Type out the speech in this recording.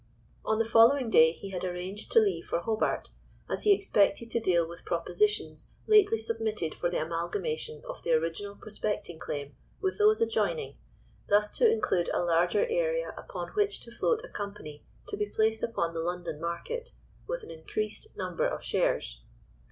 On the following day he had arranged to leave for Hobart, as he expected to deal with propositions lately submitted for the amalgamation of the original prospecting claim with those adjoining, thus to include a larger area upon which to float a company to be placed upon the London market, with an increased number of shares.